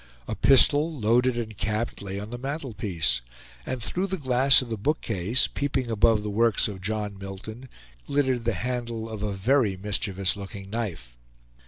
A pistol, loaded and capped, lay on the mantelpiece; and through the glass of the bookcase, peeping above the works of John Milton glittered the handle of a very mischievous looking knife.